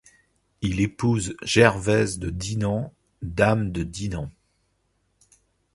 Il épouse Gervaise de Dinan dame de Dinan.